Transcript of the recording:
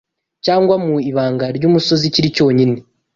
cyangwa mu ibanga ry’umusozi kiri cyonyine